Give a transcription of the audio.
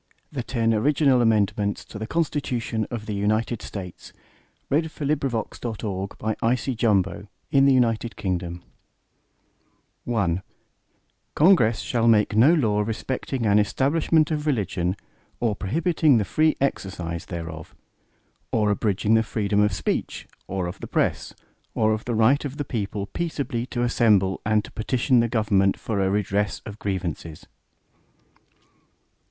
The Ten Original Amendments to the Constitution of the United States Passed by Congress September 25, 1789 Ratified December 15, 1791 I Congress shall make no law respecting an establishment of religion, or prohibiting the free exercise thereof; or abridging the freedom of speech, or of the press, or the right of the people peaceably to assemble, and to petition the Government for a redress of grievances.